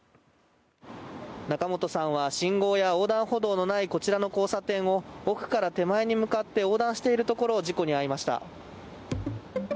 仲本さんは信号や横断歩道のないこちらの交差点を奥から手前に向かって横断しているところ事故に遭いました。